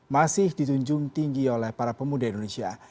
masih ditunjung tinggi oleh para pemuda indonesia